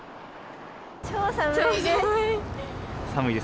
超寒いです。